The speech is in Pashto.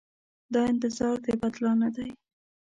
دا انتظار د بدلانه دی.